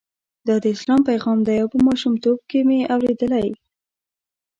دا د اسلام پیغام دی او په ماشومتوب کې مې اورېدلی.